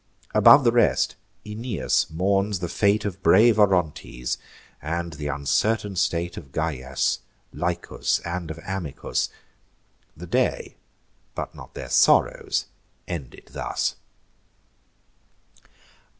Above the rest, Aeneas mourns the fate Of brave Orontes, and th' uncertain state Of Gyas, Lycus, and of Amycus. The day, but not their sorrows, ended thus.